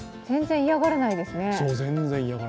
全然、嫌がらないですね。